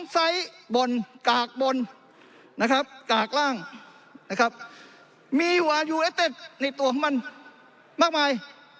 ๒ไซส์บนกากบนกากร่างนะครับมีวายูเอศเต็ชในตัวมันมากมาย